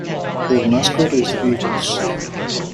Their mascot is the Eagles.